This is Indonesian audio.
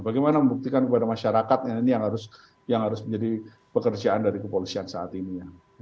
bagaimana membuktikan kepada masyarakat ini yang harus menjadi pekerjaan dari kepolisian saat ini